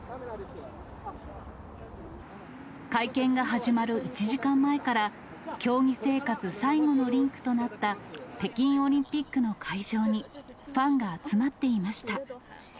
会見が始まる１時間前から、競技生活最後のリンクとなった北京オリンピックの会場に、ファンが集まっていました。